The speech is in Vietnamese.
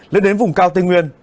lên đến vùng cao tây nguyên